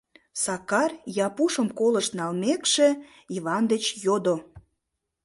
Сакар, Япушым колышт налмекше, Иван деч йодо: